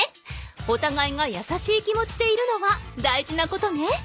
おたがいがやさしい気持ちでいるのは大事なことね。